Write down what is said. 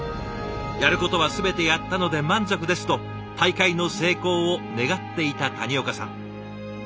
「やることは全てやったので満足です」と大会の成功を願っていた谷岡さん。